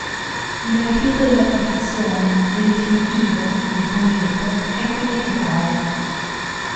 Il rifiuto della perfezione, del definitivo, del compiuto, è quindi totale.